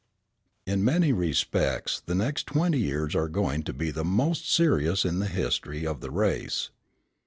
In many respects the next twenty years are going to be the most serious in the history of the race.